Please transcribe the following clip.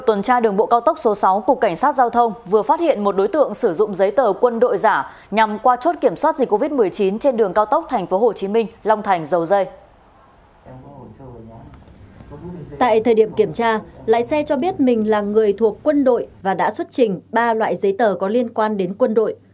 tại thời điểm kiểm tra lái xe cho biết mình là người thuộc quân đội và đã xuất trình ba loại giấy tờ có liên quan đến quân đội